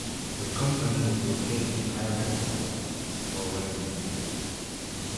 The company was located in Baerenthal, Lorraine.